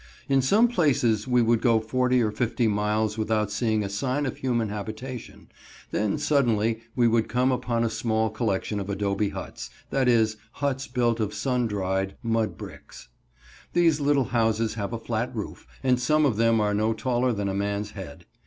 In some places we would go forty or fifty miles without seeing a sign of human habitation, then suddenly we would come upon a small collection of adobe huts, that is, huts built of sun dried, mud bricks. These little houses have a flat roof, and some of them are no taller than a man's head.